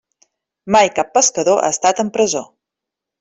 Mai cap pescador ha estat en presó.